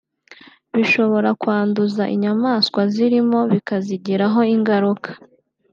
bishobora kwanduza inyamanswa zirimo bikazigiraho ingaruka